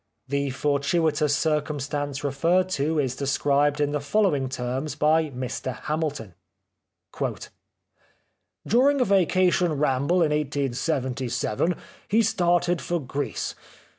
The fortuitous circumstance referred to is described in the following terms by Mr Hamilton :—" During a vacation ramble in 1877 he started for Greece.